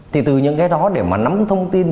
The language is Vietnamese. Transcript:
thì từ những cái đó để mà nắm thông tin